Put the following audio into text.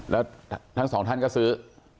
แล้วทั้งสองท่านก็ซื้อ